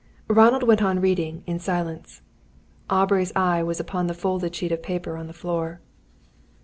Ronald went on reading, in silence. Aubrey's eye was upon the folded sheet of paper on the floor.